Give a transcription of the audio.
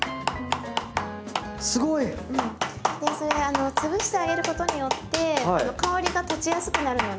すごい！それ潰してあげることによって香りが立ちやすくなるので。